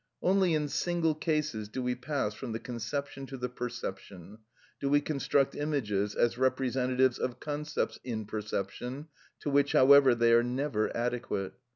Only in single cases do we pass from the conception to the perception, do we construct images as representatives of concepts in perception, to which, however, they are never adequate.